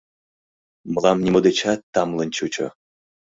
— Мылам нимо дечат тамлын чучо...